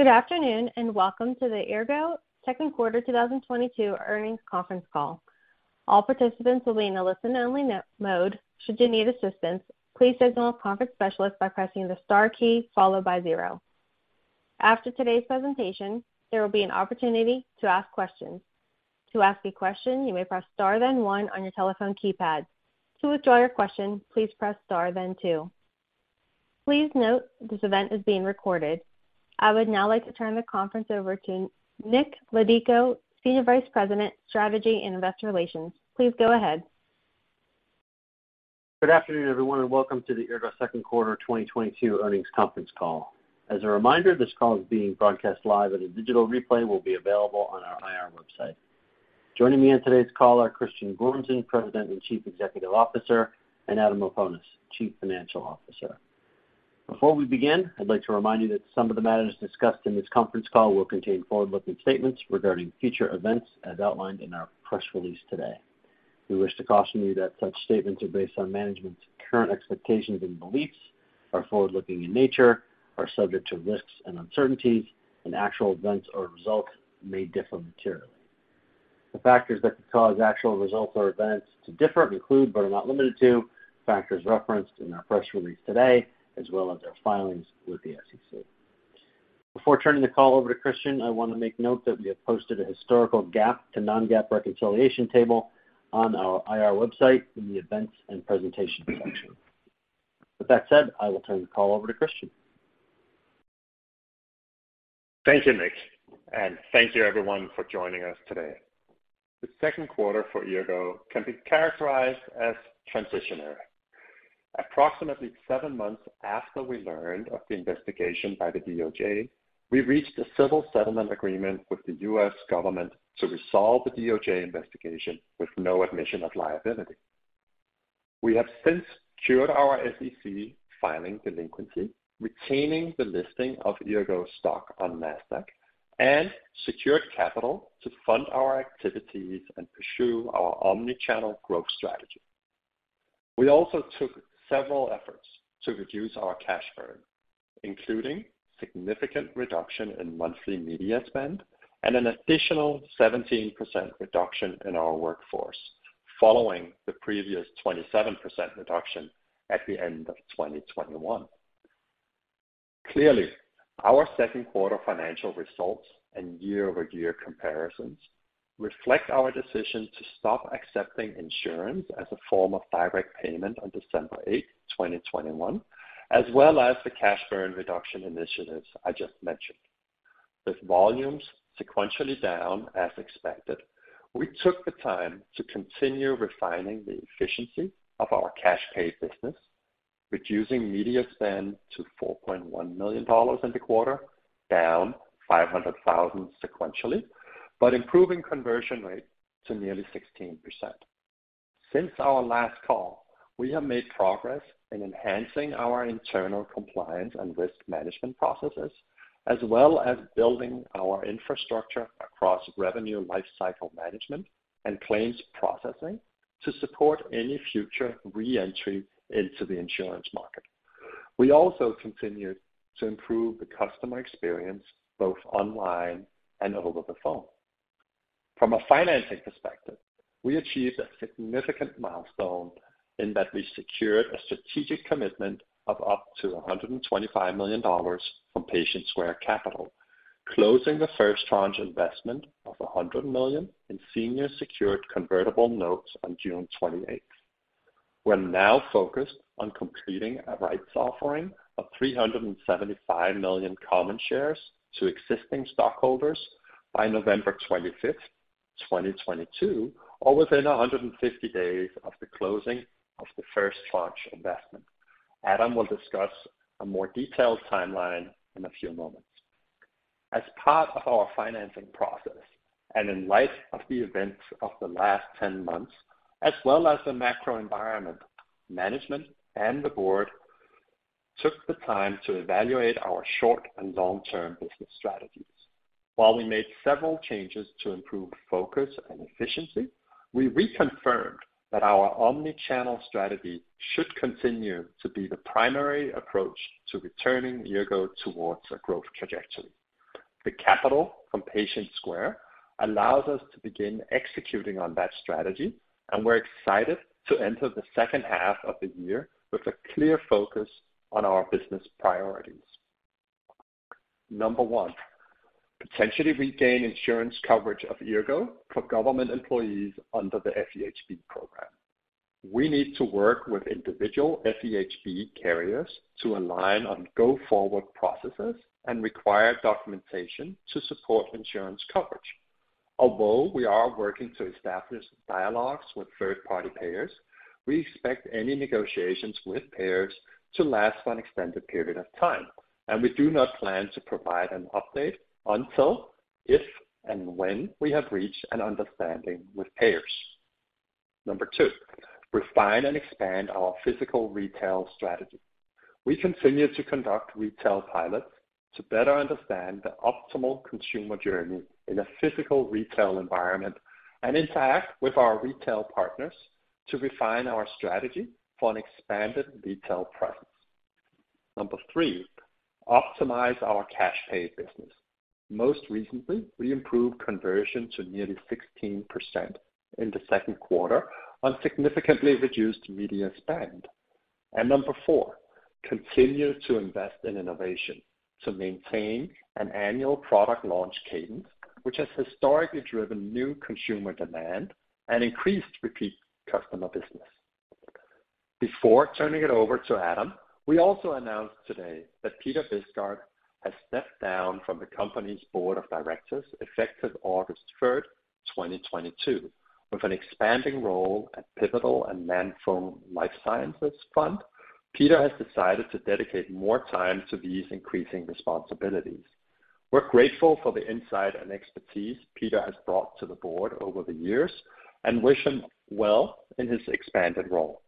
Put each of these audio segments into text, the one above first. Good afternoon, and welcome to the Eargo second quarter 2022 earnings conference call. All participants will be in a listen-only mode. Should you need assistance, please signal a conference specialist by pressing the star key followed by zero. After today's presentation, there will be an opportunity to ask questions. To ask a question, you may press star then one on your telephone keypad. To withdraw your question, please press star then two. Please note this event is being recorded. I would now like to turn the conference over to Nick Laudico, Senior Vice President, Strategy and Investor Relations. Please go ahead. Good afternoon, everyone, and welcome to the Eargo second quarter 2022 earnings conference call. As a reminder, this call is being broadcast live and a digital replay will be available on our IR website. Joining me on today's call are Christian Gormsen, President and Chief Executive Officer, and Adam Laponis, Chief Financial Officer. Before we begin, I'd like to remind you that some of the matters discussed in this conference call will contain forward-looking statements regarding future events as outlined in our press release today. We wish to caution you that such statements are based on management's current expectations and beliefs, are forward-looking in nature, are subject to risks and uncertainties, and actual events or results may differ materially. The factors that could cause actual results or events to differ include, but are not limited to, factors referenced in our press release today as well as our filings with the SEC. Before turning the call over to Christian, I wanna make note that we have posted a historical GAAP to non-GAAP reconciliation table on our IR website in the Events and Presentation section. With that said, I will turn the call over to Christian. Thank you, Nick, and thank you everyone for joining us today. The second quarter for Eargo can be characterized as transitionary. Approximately seven months after we learned of the investigation by the DOJ, we reached a civil settlement agreement with the U.S. government to resolve the DOJ investigation with no admission of liability. We have since cured our SEC filing delinquency, retaining the listing of Eargo stock on NASDAQ, and secured capital to fund our activities and pursue our omni-channel growth strategy. We also took several efforts to reduce our cash burn, including significant reduction in monthly media spend and an additional 17% reduction in our workforce following the previous 27% reduction at the end of 2021. Clearly, our second quarter financial results and year-over-year comparisons reflect our decision to stop accepting insurance as a form of direct payment on December 8, 2021, as well as the cash burn reduction initiatives I just mentioned. With volumes sequentially down as expected, we took the time to continue refining the efficiency of our cash pay business, reducing media spend to $4.1 million in the quarter, down $500,000 sequentially, but improving conversion rate to nearly 16%. Since our last call, we have made progress in enhancing our internal compliance and risk management processes, as well as building our infrastructure across revenue lifecycle management and claims processing to support any future re-entry into the insurance market. We also continued to improve the customer experience both online and over the phone. From a financing perspective, we achieved a significant milestone in that we secured a strategic commitment of up to $125 million from Patient Square Capital, closing the first tranche investment of $100 million in senior secured convertible notes on June 28. We're now focused on completing a rights offering of 375 million common shares to existing stockholders by November 25, 2022, or within 150 days of the closing of the first tranche investment. Adam will discuss a more detailed timeline in a few moments. As part of our financing process, and in light of the events of the last 10 months, as well as the macro environment, management and the board took the time to evaluate our short and long-term business strategies. While we made several changes to improve focus and efficiency, we reconfirmed that our omni-channel strategy should continue to be the primary approach to returning Eargo towards a growth trajectory. The capital from Patient Square Capital allows us to begin executing on that strategy, and we're excited to enter the second half of the year with a clear focus on our business priorities. Number one, potentially regain insurance coverage of Eargo for government employees under the FEHB program. We need to work with individual FEHB carriers to align on go-forward processes and require documentation to support insurance coverage. Although we are working to establish dialogues with third-party payers, we expect any negotiations with payers to last for an extended period of time, and we do not plan to provide an update until, if, and when we have reached an understanding with payers. Number two, refine and expand our physical retail strategy. We continue to conduct retail pilots to better understand the optimal consumer journey in a physical retail environment and, in fact, with our retail partners to refine our strategy for an expanded retail presence. Number three, optimize our cash-pay business. Most recently, we improved conversion to nearly 16% in the second quarter on significantly reduced media spend. Number four, continue to invest in innovation to maintain an annual product launch cadence, which has historically driven new consumer demand and increased repeat customer business. Before turning it over to Adam, we also announced today that Peter Bisgaard has stepped down from the company's board of directors effective August 3, 2022. With an expanding role at Pivotal Life Sciences, Peter has decided to dedicate more time to these increasing responsibilities. We're grateful for the insight and expertise Peter has brought to the board over the years and wish him well in his expanded role.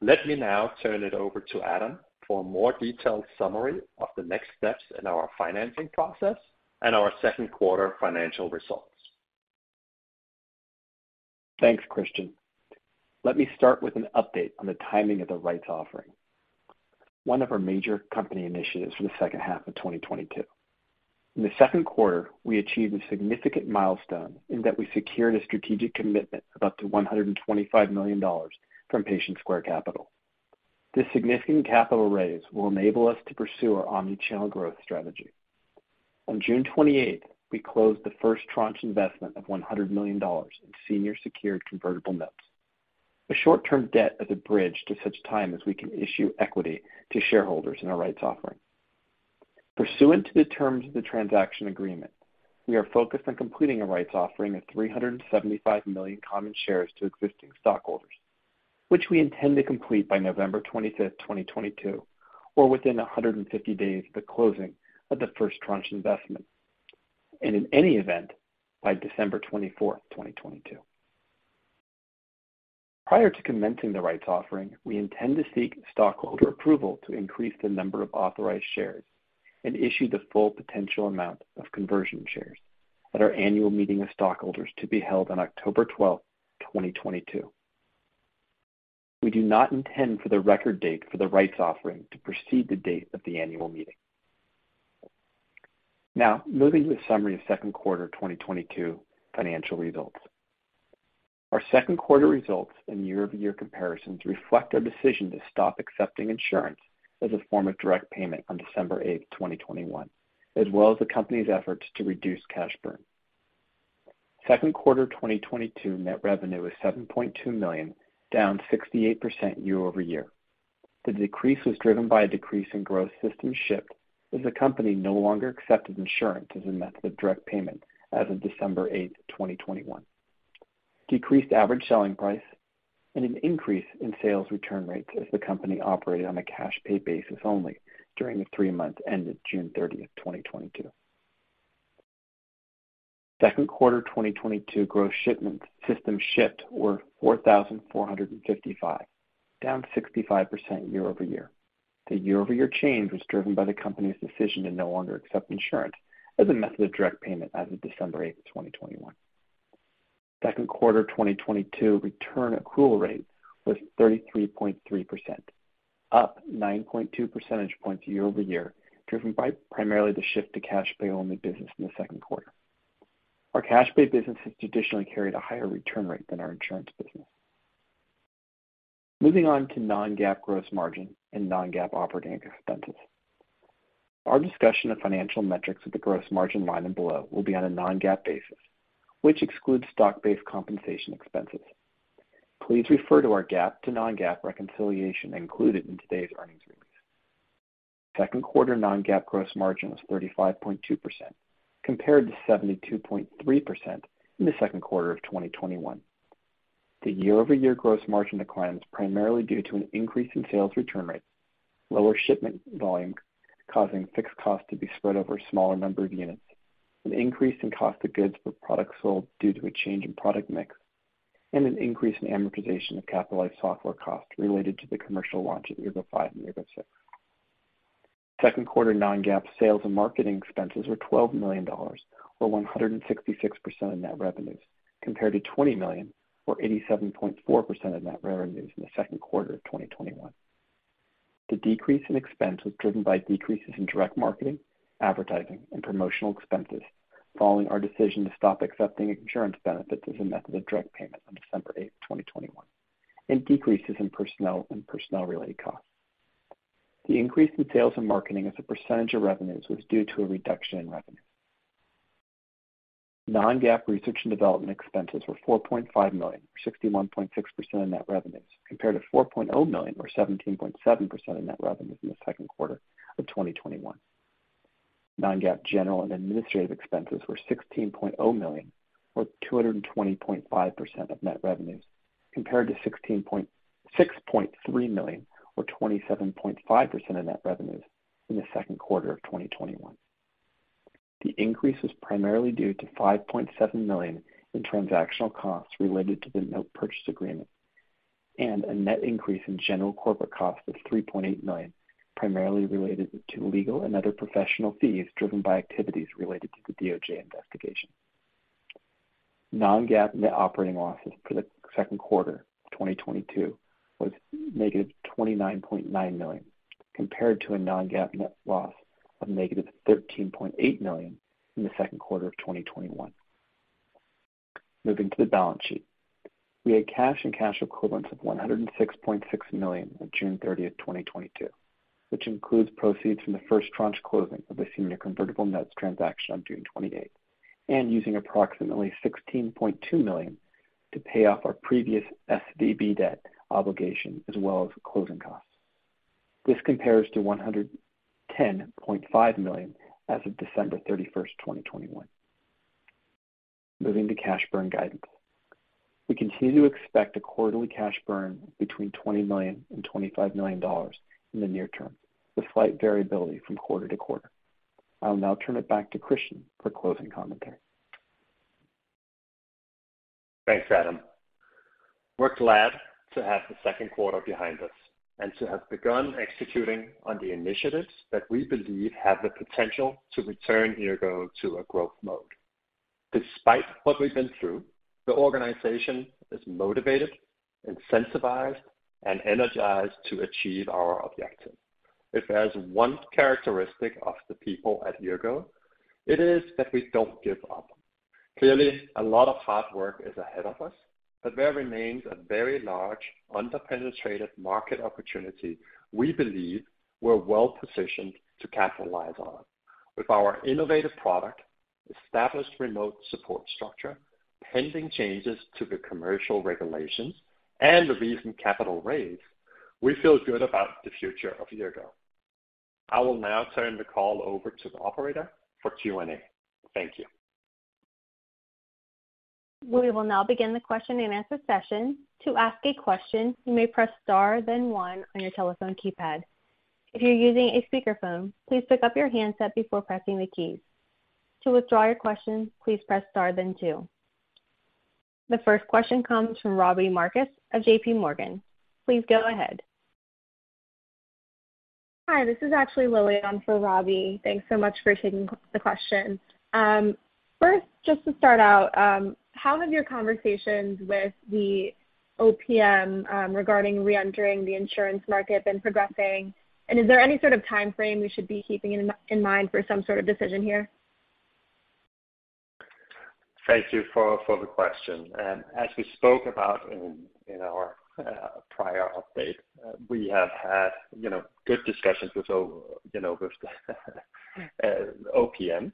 Let me now turn it over to Adam for a more detailed summary of the next steps in our financing process and our second quarter financial results. Thanks, Christian. Let me start with an update on the timing of the rights offering. One of our major company initiatives for the second half of 2022. In the second quarter, we achieved a significant milestone in that we secured a strategic commitment of up to $125 million from Patient Square Capital. This significant capital raise will enable us to pursue our omni-channel growth strategy. On June 28th, we closed the first tranche investment of $100 million in senior secured convertible notes, a short-term debt as a bridge to such time as we can issue equity to shareholders in our rights offering. Pursuant to the terms of the transaction agreement, we are focused on completing a rights offering of 375 million common shares to existing stockholders, which we intend to complete by November 25, 2022, or within 150 days of the closing of the first tranche investment, and in any event, by December 24, 2022. Prior to commencing the rights offering, we intend to seek stockholder approval to increase the number of authorized shares and issue the full potential amount of conversion shares at our annual meeting of stockholders to be held on October 12, 2022. We do not intend for the record date for the rights offering to precede the date of the annual meeting. Now, moving to a summary of second quarter 2022 financial results. Our second quarter results and year-over-year comparisons reflect our decision to stop accepting insurance as a form of direct payment on December 8th, 2021, as well as the company's efforts to reduce cash burn. Second quarter 2022 net revenue is $7.2 million, down 68% year-over-year. The decrease was driven by a decrease in gross systems shipped as the company no longer accepted insurance as a method of direct payment as of December 8, 2021. Decreased average selling price and an increase in sales return rates as the company operated on a cash-pay basis only during the three months ended June 30, 2022. Second quarter 2022 gross systems shipped were 4,455, down 65% year-over-year. The year-over-year change was driven by the company's decision to no longer accept insurance as a method of direct payment as of December 8, 2021. Second quarter 2022 return accrual rate was 33.3%, up 9.2 percentage points year-over-year, driven by primarily the shift to cash pay-only business in the second quarter. Our cash pay business has traditionally carried a higher return rate than our insurance business. Moving on to non-GAAP gross margin and non-GAAP operating expenses. Our discussion of financial metrics of the gross margin line and below will be on a non-GAAP basis, which excludes stock-based compensation expenses. Please refer to our GAAP to non-GAAP reconciliation included in today's earnings release. Second quarter non-GAAP gross margin was 35.2% compared to 72.3% in the second quarter of 2021. The year-over-year gross margin decline was primarily due to an increase in sales return rates, lower shipment volume causing fixed costs to be spread over a smaller number of units, an increase in cost of goods for products sold due to a change in product mix, and an increase in amortization of capitalized software costs related to the commercial launch of Eargo 5 and Eargo 6. Second quarter non-GAAP sales and marketing expenses were $12 million or 166% of net revenues, compared to $20 million or 87.4% of net revenues in the second quarter of 2021. The decrease in expense was driven by decreases in direct marketing, advertising, and promotional expenses following our decision to stop accepting insurance benefits as a method of direct payment on December eighth, 2021, and decreases in personnel and personnel-related costs. The increase in sales and marketing as a percentage of revenues was due to a reduction in revenue. Non-GAAP research and development expenses were $4.5 million, or 61.6% of net revenues, compared to $4.0 million or 17.7% of net revenues in the second quarter of 2021. Non-GAAP general and administrative expenses were $16.0 million or 220.5% of net revenues, compared to $6.3 million or 27.5% of net revenues in the second quarter of 2021. The increase was primarily due to $5.7 million in transactional costs related to the note purchase agreement and a net increase in general corporate costs of $3.8 million, primarily related to legal and other professional fees driven by activities related to the DOJ investigation. non-GAAP net operating losses for the second quarter of 2022 were -$29.9 million, compared to a non-GAAP net loss of -$13.8 million in the second quarter of 2021. Moving to the balance sheet. We had cash and cash equivalents of $106.6 million on June 30, 2022, which includes proceeds from the first tranche closing of the senior convertible notes transaction on June 28, and using approximately $16.2 million to pay off our previous SVB debt obligation as well as closing costs. This compares to $110.5 million as of December 31, 2021. Moving to cash burn guidance. We continue to expect a quarterly cash burn between $20 million and $25 million in the near term, with slight variability from quarter to quarter. I'll now turn it back to Christian for closing commentary. Thanks, Adam. We're glad to have the second quarter behind us and to have begun executing on the initiatives that we believe have the potential to return Eargo to a growth mode. Despite what we've been through, the organization is motivated, incentivized, and energized to achieve our objective. If there's one characteristic of the people at Eargo, it is that we don't give up. Clearly, a lot of hard work is ahead of us, but there remains a very large under-penetrated market opportunity we believe we're well-positioned to capitalize on. With our innovative product, established remote support structure, pending changes to the commercial regulations, and the recent capital raise, we feel good about the future of Eargo. I will now turn the call over to the operator for Q&A. Thank you. We will now begin the question-and-answer session. To ask a question, you may press star then one on your telephone keypad. If you're using a speakerphone, please pick up your handset before pressing the keys. To withdraw your question, please press star then two. The first question comes from Robbie Marcus of JPMorgan. Please go ahead. Hi, this is actually Lilia for Robbie. Thanks so much for taking the question. First, just to start out, how have your conversations with the OPM, regarding reentering the insurance market been progressing? Is there any sort of timeframe we should be keeping in mind for some sort of decision here? Thank you for the question. As we spoke about in our prior update, we have had, you know, good discussions with, you know, with OPM.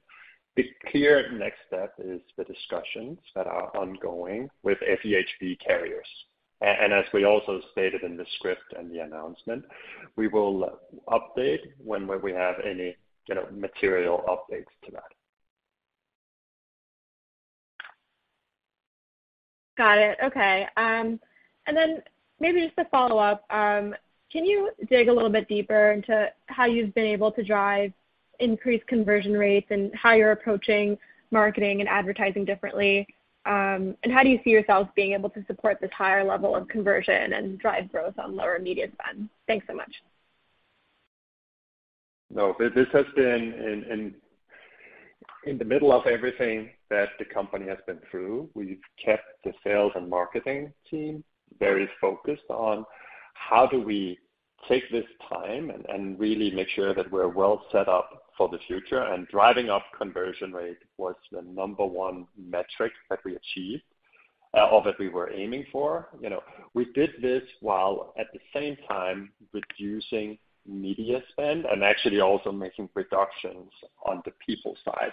The clear next step is the discussions that are ongoing with FEHB carriers. As we also stated in the script and the announcement, we will update when we have any, you know, material updates to that. Got it. Okay. Maybe just a follow-up. Can you dig a little bit deeper into how you've been able to drive increased conversion rates and how you're approaching marketing and advertising differently? How do you see yourselves being able to support this higher level of conversion and drive growth on lower media spend? Thanks so much. No. This has been in the middle of everything that the company has been through. We've kept the sales and marketing team very focused on how do we take this time and really make sure that we're well set up for the future. Driving up conversion rate was the number one metric that we achieved, or that we were aiming for. You know, we did this while at the same time reducing media spend and actually also making reductions on the people side.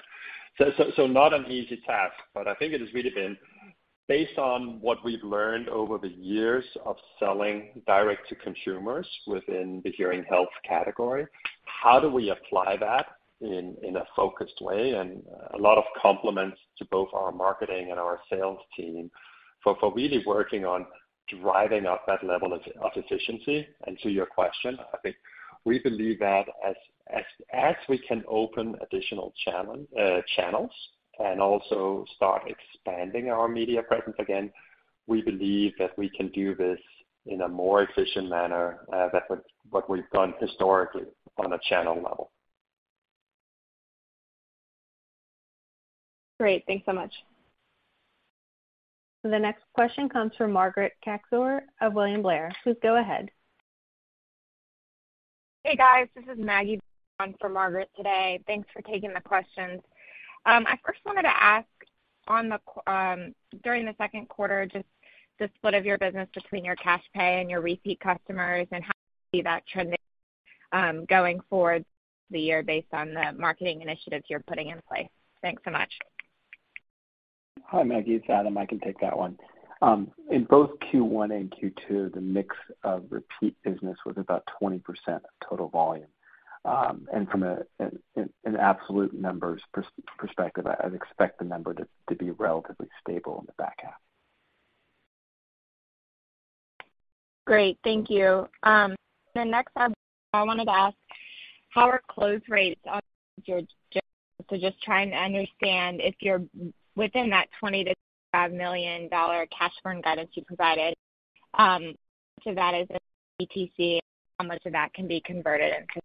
Not an easy task, but I think it has really been based on what we've learned over the years of selling direct to consumers within the hearing health category. How do we apply that in a focused way? A lot of compliments to both our marketing and our sales team for really working on driving up that level of efficiency. To your question, I think we believe that as we can open additional channels and also start expanding our media presence again, we believe that we can do this in a more efficient manner than what we've done historically on a channel level. Great. Thanks so much. The next question comes from Margaret Kaczor of William Blair. Please go ahead. Hey, guys. This is Maggie on for Margaret today. Thanks for taking the questions. I first wanted to ask during the second quarter, just the split of your business between your cash pay and your repeat customers and how you see that trending going forward the year based on the marketing initiatives you're putting in place. Thanks so much. Hi, Maggie. It's Adam. I can take that one. In both Q1 and Q2, the mix of repeat business was about 20% of total volume. From an absolute numbers perspective, I'd expect the number to be relatively stable in the back half. Great. Thank you. How are close rates on your leads? Just trying to understand if you're within that $20 million-$25 million cash burn guidance you provided, that is a DTC. How much of that can be converted into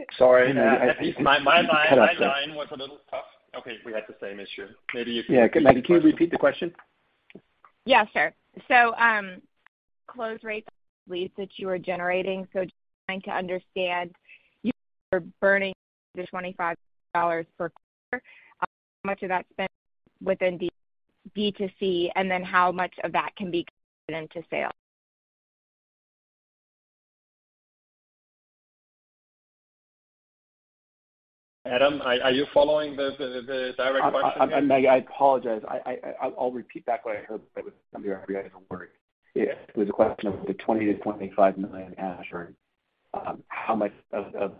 sales? Sorry. At least my line was a little tough. Okay. We had the same issue. Yeah. Can you repeat the question? Yeah, sure. Close rates, leads that you are generating, so just trying to understand you are burning through $25 per quarter, how much of that spent within B2C, and then how much of that can be converted into sales? Adam, are you following the direct question? I apologize. I'll repeat back what I heard, but some of you probably don't worry. It was a question of the $20-$25 million cash burn, how much of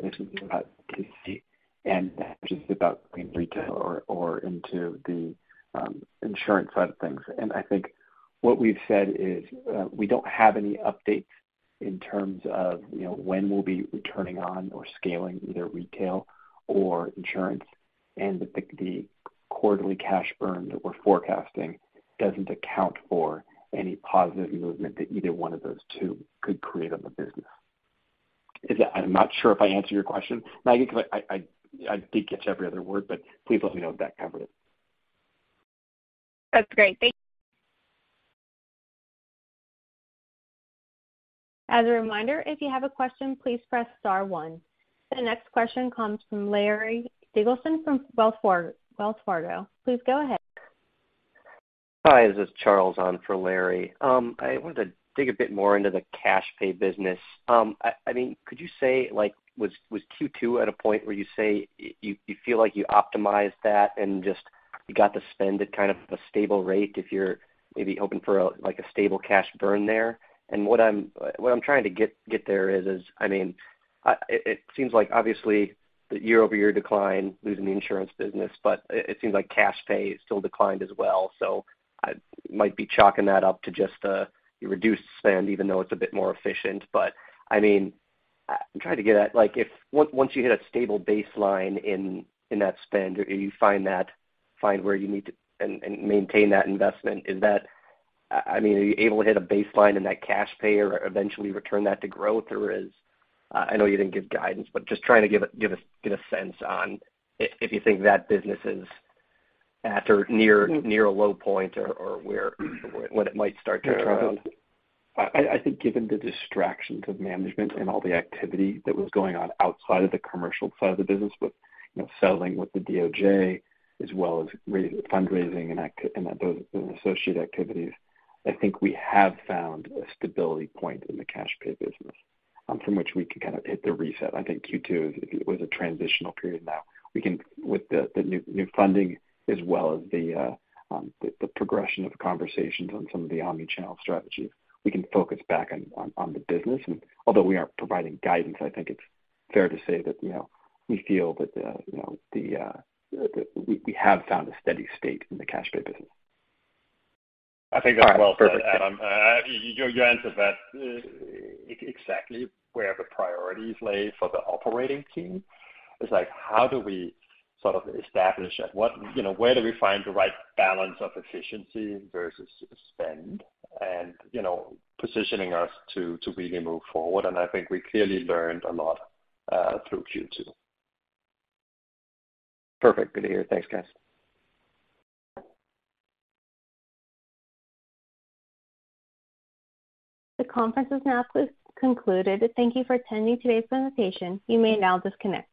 basically about DTC and just about in retail or into the insurance side of things. I think what we've said is we don't have any updates in terms of, you know, when we'll be returning on or scaling either retail or insurance. The quarterly cash burn that we're forecasting doesn't account for any positive movement that either one of those two could create on the business. Is that? I'm not sure if I answered your question, Maggie, because I did catch every other word, but please let me know if that covered it. That's great. Thank you. As a reminder, if you have a question, please press star one. The next question comes from Larry Biegelsen from Wells Fargo. Please go ahead. Hi, this is Charles on for Larry. I wanted to dig a bit more into the cash-pay business. I mean, could you say, like, was Q2 at a point where you say you feel like you optimized that and just you got to spend at kind of a stable rate if you're maybe hoping for a, like, a stable cash burn there? What I'm trying to get there is, I mean, it seems like obviously the year-over-year decline, losing the insurance business, but it seems like cash-pay still declined as well. I might be chalking that up to just a reduced spend, even though it's a bit more efficient. I mean, I'm trying to get at, like, if once you hit a stable baseline in that spend, you find where you need to and maintain that investment, is that? I mean, are you able to hit a baseline in that cash-pay or eventually return that to growth? Or, I know you didn't give guidance, but just trying to give a sense on if you think that business is at or near a low point or where, when it might start to? I think given the distractions of management and all the activity that was going on outside of the commercial side of the business with, you know, settling with the DOJ as well as fundraising and those associated activities, I think we have found a stability point in the cash-pay business, from which we can kind of hit the reset. I think Q2 was a transitional period now. We can with the new funding as well as the progression of the conversations on some of the omni-channel strategies, we can focus back on the business. Although we aren't providing guidance, I think it's fair to say that, you know, we feel that, you know, we have found a steady state in the cash-pay business. I think that's well said, Adam. All right. Perfect. You answered that exactly where the priorities lay for the operating team. It's like, how do we sort of establish at what, you know, where do we find the right balance of efficiency versus spend and, you know, positioning us to really move forward? I think we clearly learned a lot through Q2. Perfect. Good to hear. Thanks, guys. The conference has now concluded. Thank you for attending today's presentation. You may now disconnect.